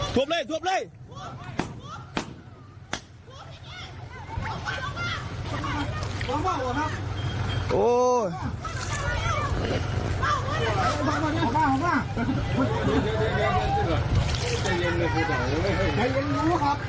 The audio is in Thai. วบเลยสวบเลย